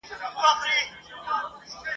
هغه زه یم چي بلېږم له پتنګ سره پیمان یم !.